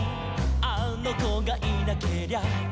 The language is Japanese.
「あのこがいなけりゃ」